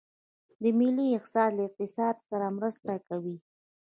د ملي احساس له اقتصاد سره مرسته کوي؟